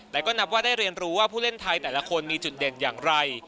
แต่ก็นับว่าได้เรียนรู้ว่าผู้เล่นไทยแต่ละคนมีจุดเด่นอย่างไร